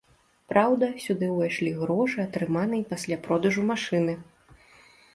Праўда, сюды ўвайшлі грошы, атрыманыя пасля продажу машыны.